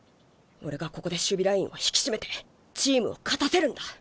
俺がここで守備ラインを引き締めてチームを勝たせるんだ。